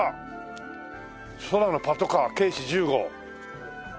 「空のパトカー警視１５」